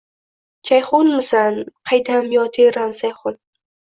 Jayhunmisan, qaydam, yo teran Sayhun?